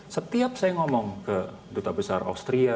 setiap saya ngomong ke duta besar austria